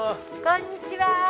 こんにちは。